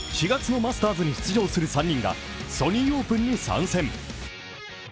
４月のマスターズに出場する３人がソニーオープンに参戦。